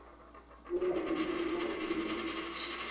Mungu ni muumba wa mbingu na nchi.